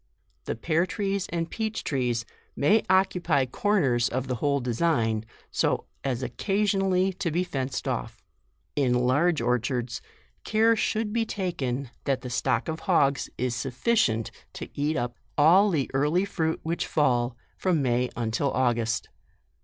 The pear trees and peach trees, may occupy corners of the whole design, so as occasionally to be JUNE. J 39 fenced off. In large orchards, care should be taken that the stock of hogs is sufficient to eat up all the early fruit which fall, from May until August.